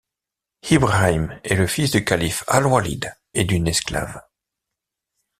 ʾIbrāhīm est le fils du calife Al-Walīd et d'une esclave.